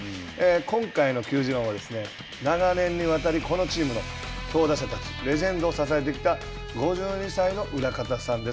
今回の球自論は、長年にわたり、このチームの強打者たち、レジェンドを支えてきた５２歳の裏方さんです。